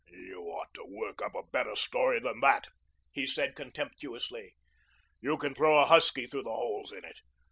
"You ought to work up a better story than that," he said contemptuously. "You can throw a husky through the holes in it.